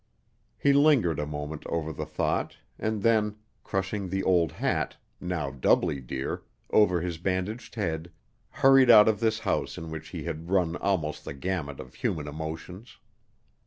He lingered a moment over the thought, and then, crushing the old hat now doubly dear over his bandaged head, hurried out of this house in which he had run almost the gamut of human emotions.